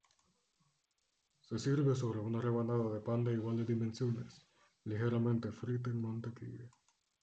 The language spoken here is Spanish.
Se sirve sobre una rebanada de pan de iguales dimensiones, ligeramente frita en mantequilla.